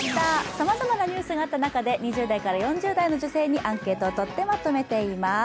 さまざまなニュースがあった中生２０代から４０代の女性にアンケートを取ってまとめてあります。